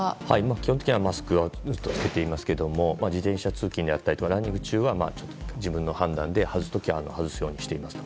基本的にはマスクをずっと着けていますけれども自転車通勤だったりランニング中は自分の判断で外す時は外すようにしています。